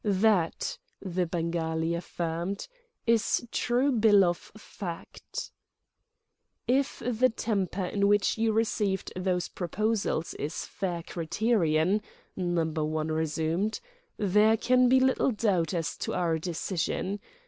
"Thatt," the Bengali affirmed, "is true bill of factt." "If the temper in which you received those proposals is fair criterion," Number One resumed, "there can be little doubt as to our decision.